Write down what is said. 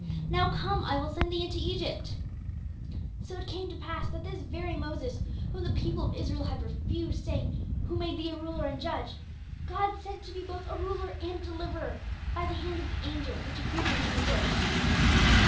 Now come, I will send thee into Egypt.' "So it came to pass that this very Moses, whom the people of Israel had refused, saying, 'Who made thee a ruler and a judge?' God sent to be both a ruler and a deliverer, by the hand of the angel which appeared to him in the bush.